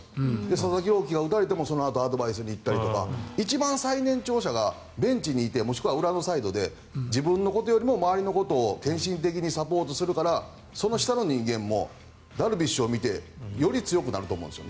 佐々木朗希が打たれてもそのあとアドバイスに行ったりとか一番最年長者がベンチにいてもしくは裏のサイドで自分のことよりも周りのことを献身的にサポートするからその下の人間もダルビッシュを見てより強くなると思うんです。